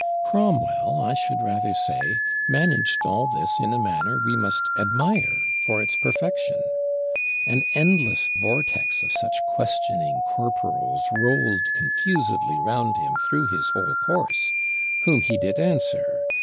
Cromwell, I should rather say, managed all this in a manner we must admire for its perfection. An endless vortex of such questioning "corporals" rolled confusedly round him through his whole course; whom he did answer.